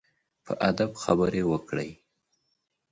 په ادب خبرې وکړئ.